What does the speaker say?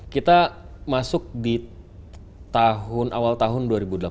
kita masuk di tahun awal tahun dua ribu delapan belas